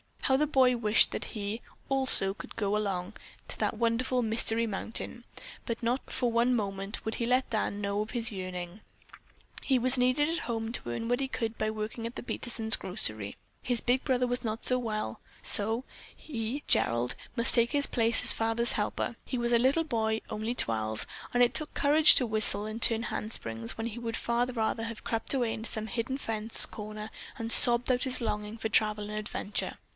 How the boy wished that he, also, could go to that wonderful Mystery Mountain, but not for one moment would he let Dad know of this yearning. He was needed at home to earn what he could by working at the Peterson grocery. His big brother was not well, so he, Gerald, must take his place as father's helper. He was a little boy, only twelve, and it took courage to whistle and turn handsprings when he would far rather have crept away into some hidden fence corner and sobbed out his longing for travel and adventure.